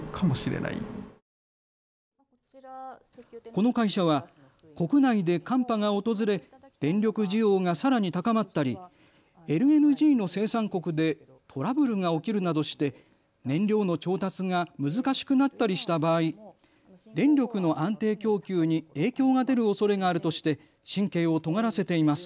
この会社は国内で寒波が訪れ電力需要がさらに高まったりＬＮＧの生産国でトラブルが起きるなどして燃料の調達が難しくなったりした場合電力の安定供給に影響が出るおそれがあるとして神経をとがらせています。